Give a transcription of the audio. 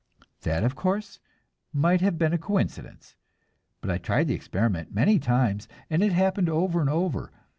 That, of course, might have been a coincidence; but I tried the experiment many times, and it happened over and over.